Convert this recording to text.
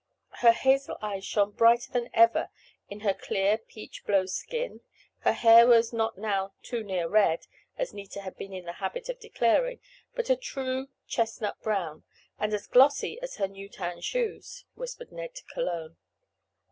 Her hazel eyes shown brighter than ever in her clear peach blow skin, her hair was not now "too near red" as Nita had been in the habit of declaring, but a true chestnut brown, and as "glossy as her new tan shoes," whispered Ned to Cologne.